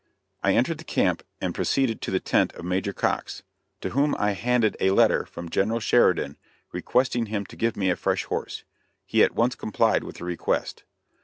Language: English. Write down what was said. I entered the camp and proceeded to the tent of Major Cox, to whom I handed a letter from General Sheridan requesting him to give me a fresh horse. He at once complied with the request.